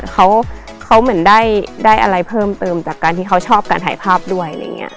เขาเหมือนได้อะไรเพิ่มเติมจากการที่เขาชอบการถ่ายภาพด้วยอะไรอย่างนี้